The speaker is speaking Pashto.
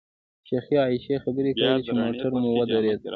شیخې عایشې خبرې کولې چې موټر مو ودرېد.